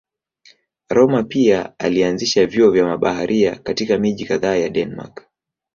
Rømer pia alianzisha vyuo kwa mabaharia katika miji kadhaa ya Denmark.